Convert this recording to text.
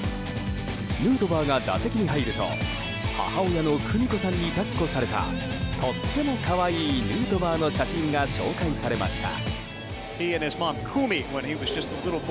ヌートバーが打席に入ると母親の久美子さんに抱っこされたとっても可愛いヌートバーの写真が紹介されました。